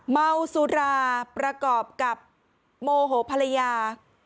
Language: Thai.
เมาสุราประกอบกับโมโหภรรยา